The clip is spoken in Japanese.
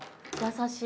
優しい。